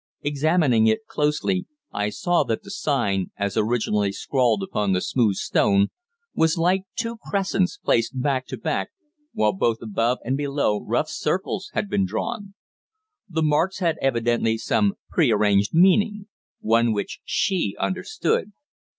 Examining it closely, I saw that the sign, as originally scrawled upon the smooth stone, was like two crescents placed back to back, while both above and below rough circles had been drawn. The marks had evidently some prearranged meaning one which she understood.